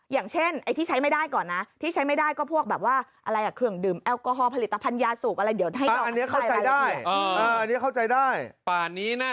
อย่างเช่นไอ้ที่ใช้ไม่ได้ก่อนนะที่ใช้ไม่ได้ก็พวกแบบว่า